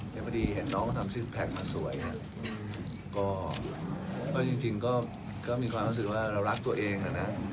แต่พอดีเห็นน้องเขาทำชื่อแพลตมาสวยก็จริงก็มีความรู้สึกว่าเรารักตัวเองอะนะ